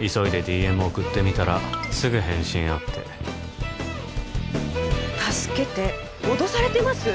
急いでＤＭ送ってみたらすぐ返信あって「助けて脅されてます」！？